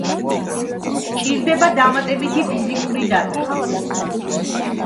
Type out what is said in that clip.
სჭირდება დამატებითი ფიზიკური დატვირთვა.